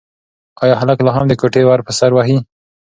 ایا هلک لا هم د کوټې ور په سر وهي؟